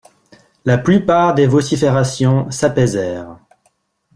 La plupart des vociférations s'apaisèrent.